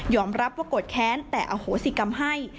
รับว่าโกรธแค้นแต่อโหสิกรรมให้